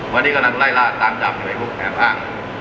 วันนี้กำลังไล่ราชตามจับไปพวกแห่งภาค